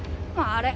あれ？